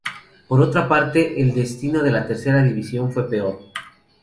Por otra parte, el destino de la Tercera División fue peor.